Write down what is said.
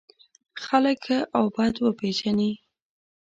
خلک ښه او بد وپېژني.